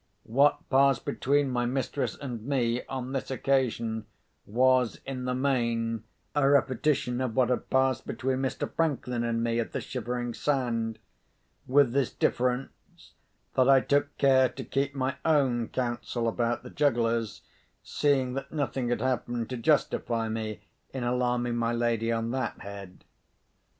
What passed between my mistress and me, on this occasion, was, in the main, a repetition of what had passed between Mr. Franklin and me at the Shivering Sand—with this difference, that I took care to keep my own counsel about the jugglers, seeing that nothing had happened to justify me in alarming my lady on this head.